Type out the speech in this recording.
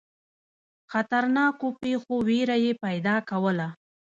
خطرناکو پیښو وېره یې پیدا کوله.